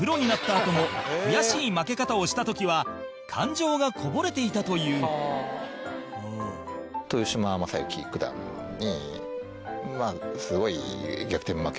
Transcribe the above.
あとも悔しい負け方をした時は感情がこぼれていたという豊島将之九段に。